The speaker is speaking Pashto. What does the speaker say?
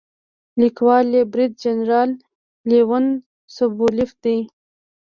لیکوال یې برید جنرال لیونید سوبولیف دی.